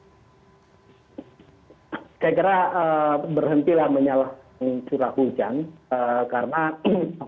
saya kira berhentilah menyalahkan curah hujan